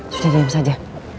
sudah diam saja